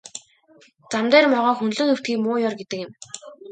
Зам дээр могой хөндлөн хэвтэхийг муу ёр гэдэг юм.